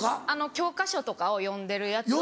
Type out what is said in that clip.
教科書とかを読んでるやつを。